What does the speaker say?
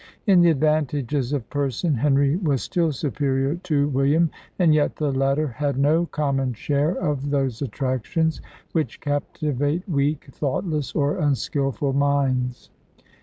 In the advantages of person Henry was still superior to William; and yet the latter had no common share of those attractions which captivate weak, thoughtless, or unskilful minds.